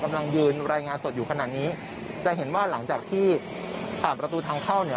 กำลังยืนรายงานสดอยู่ขนาดนี้จะเห็นว่าหลังจากที่ผ่านประตูทางเข้าเนี่ย